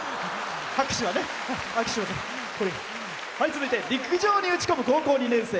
続いて陸上に打ち込む高校２年生。